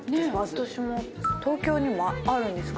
東京にもあるんですかね？